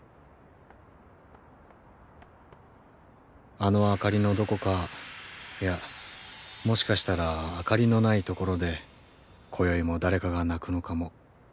あの明かりのどこかいやもしかしたら明かりのない所でこよいも誰かが泣くのかも。